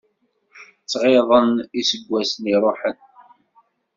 Ttɣiḍen iseggasen iruḥen.